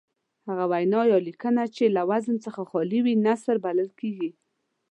هغه وینا یا لیکنه چې له وزن څخه خالي وي نثر بلل کیږي.